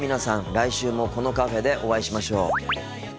来週もこのカフェでお会いしましょう。